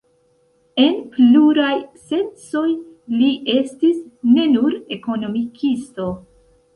En pluraj sencoj li estis ne nur ekonomikisto.